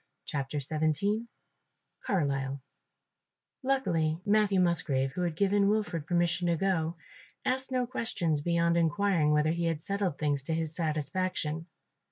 CHAPTER XVII CARLISLE Luckily Matthew Musgrave, who had given Wilfred permission to go, asked no questions beyond inquiring whether he had settled things to his satisfaction.